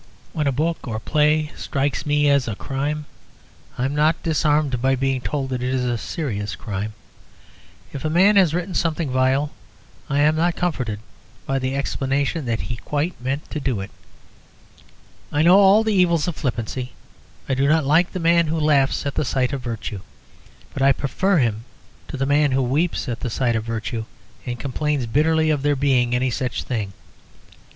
When a book or a play strikes me as a crime, I am not disarmed by being told that it is a serious crime. If a man has written something vile, I am not comforted by the explanation that he quite meant to do it. I know all the evils of flippancy; I do not like the man who laughs at the sight of virtue. But I prefer him to the man who weeps at the sight of virtue and complains bitterly of there being any such thing.